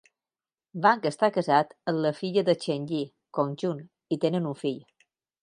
Wang està casat amb la filla de Chen Yi, Cong Jun, i tenen un fill.